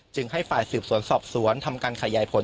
ให้ฝ่ายสืบสวนสอบสวนทำการขยายผล